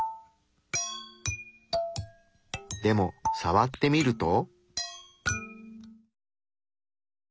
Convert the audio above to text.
でもさわってみると。